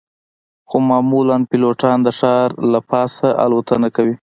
خو معمولاً پیلوټان د ښار د پاسه الوتنه کوي